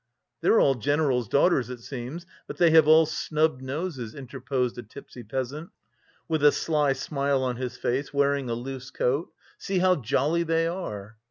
"They're all generals' daughters, it seems, but they have all snub noses," interposed a tipsy peasant with a sly smile on his face, wearing a loose coat. "See how jolly they are."